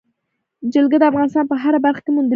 جلګه د افغانستان په هره برخه کې موندل کېږي.